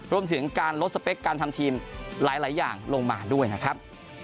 รวมถึงการลดสเปคการทำทีมหลายอย่างลงมาด้วยนะครับ